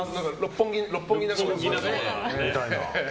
六本木仲間みたいな。